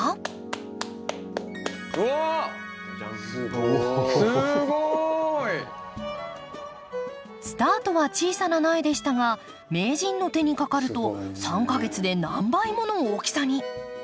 すごい！スタートは小さな苗でしたが名人の手にかかると３か月で何倍もの大きさに。